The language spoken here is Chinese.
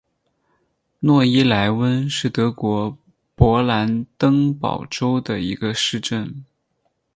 诺伊莱温是德国勃兰登堡州的一个市镇。